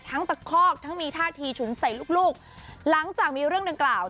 ตะคอกทั้งมีท่าทีฉุนใส่ลูกลูกหลังจากมีเรื่องดังกล่าว